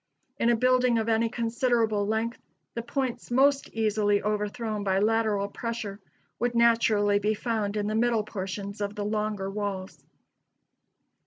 In a building of any considerable length, the points most easily overthrown by lateral pressure would naturally be found in the middle portions of the longer walls.